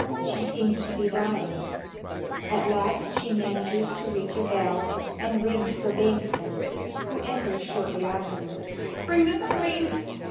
She seems to be dying. At last she manages to reach a bell and rings for Bengtsson, who enters shortly afterward. Young Ladt. Bring the screen